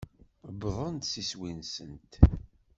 Uwḍent s iswi-nsent.